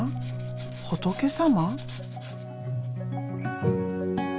仏様？